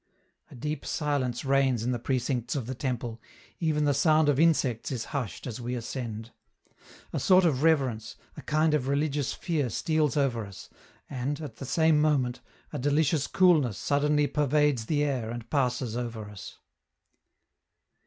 A deep silence reigns in the precincts of the temple, even the sound of insects is hushed as we ascend. A sort of reverence, a kind of religious fear steals over us, and, at the same moment, a delicious coolness suddenly pervades the air, and passes over us.